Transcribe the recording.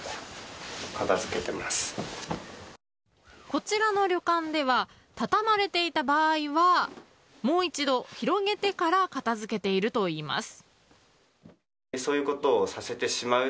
こちらの旅館では畳まれていた場合はもう一度、広げてから片付けているといいます。